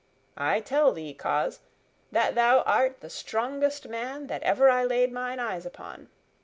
I tell thee, coz, that thou art the strongest man that ever I laid mine eyes upon.